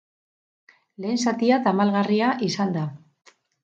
Lehen zatia tamalgarria izan da.